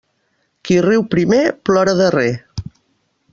Qui riu primer plora darrer.